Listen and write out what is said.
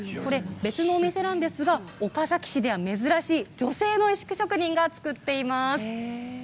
別のお店なんですが岡崎市では珍しい女性の石工職人が作っています。